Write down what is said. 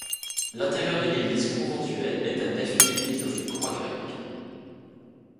L'intérieur de l'église conventuelle est à nef unique dans une croix grecque.